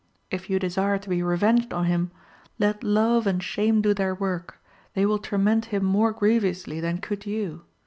If you desire to be revenged on him, let love and shame do their work; they will torment him more grievously than could you.